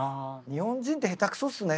日本人って下手くそっすね